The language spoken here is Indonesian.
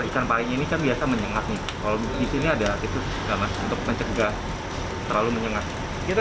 ikan paling ini terbiasa menyengat nih kalau disini ada itu enggak terlalu menyengat kita